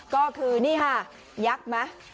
ก็คือนี่ฮะยักษ์มา